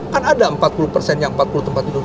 kan ada empat puluh persen yang empat puluh tempat tidur